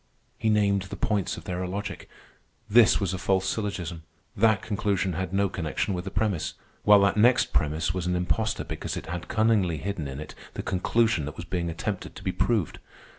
He named the points of their illogic. This was a false syllogism, that conclusion had no connection with the premise, while that next premise was an impostor because it had cunningly hidden in it the conclusion that was being attempted to be proved.